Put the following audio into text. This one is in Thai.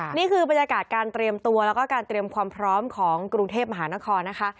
นี่คือบรรยากาศการเตรียมตัวแล้วก็การเตรียมความพร้อมของกรุงเทพมหานครนะคะ